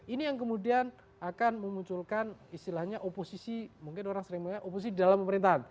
ini yang kemudian akan memunculkan istilahnya oposisi mungkin orang sering mengatakan oposisi di dalam pemerintahan